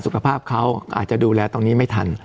สุขภาพเขาอาจจะดูแลตรงนี้ไม่ทัน